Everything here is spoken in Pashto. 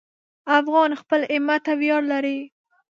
افغان خپل همت ته ویاړ لري.